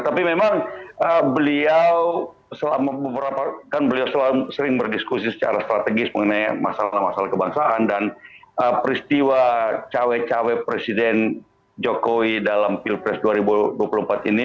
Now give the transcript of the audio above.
tapi memang beliau selalu sering berdiskusi secara strategis mengenai masalah masalah kebangsaan dan peristiwa cawek cawek presiden jokowi dalam pilpres dua ribu dua puluh empat ini